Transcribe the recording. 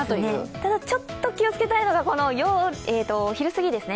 ただ、ちょっと気をつけたいのが昼過ぎですね